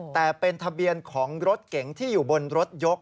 แต่เป็นทะเบียนของรถเก๋งที่อยู่บนรถยก